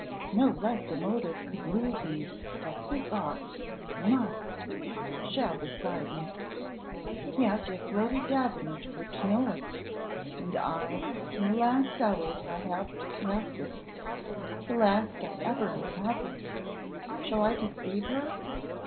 No less a motive could move me, but this ought must shall decide me. Yet, if Lady Davenant were to know it! and I, in the last hours I have to pass with her the last I ever may have with her, shall I deceive her?